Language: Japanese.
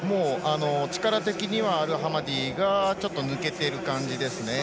力的にはアルハマディがちょっと抜けている感じですね。